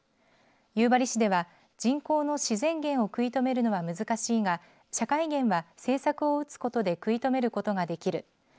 夕張市では人口の自然減を食い止めるのは難しいが社会減は政策をうつことで食い止めることができる。